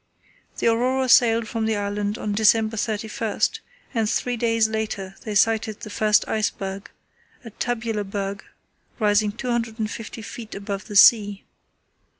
The Aurora sailed from the island on December 31, and three days later they sighted the first iceberg, a tabular berg rising 250 ft. above the sea.